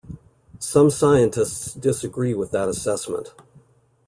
Some scientists disagree with that assessment.